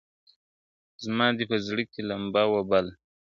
زما دي په زړه کي لمبه وه بله !.